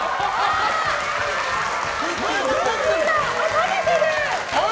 食べてる！